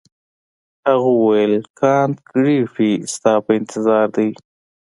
هغه وویل کانت ګریفي ستا په انتظار دی.